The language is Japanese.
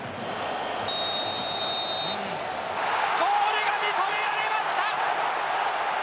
ゴールが認められました。